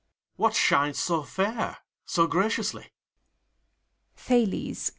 What shines so fair, so graciously!